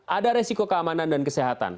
ada resiko keamanan dan kesehatan